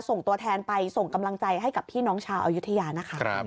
ส่งตัวแทนไปส่งกำลังใจให้กับพี่น้องชาวอายุทยานะคะ